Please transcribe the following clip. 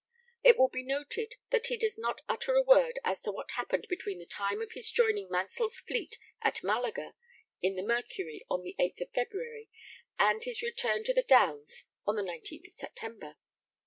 It will be noted that he does not utter a word as to what happened between the time of his joining Mansell's fleet at Malaga in the Mercury on the 8th February and his return to the Downs on the 19th September.